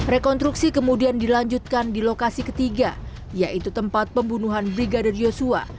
rekonstruksi kemudian dilanjutkan di lokasi ketiga yaitu tempat pembunuhan brigadir yosua